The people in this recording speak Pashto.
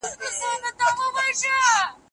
دواړو اړخونو ته پکار ده.